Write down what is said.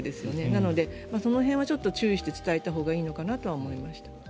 なのでその辺は注意して伝えたほうがいいのかなとは思いました。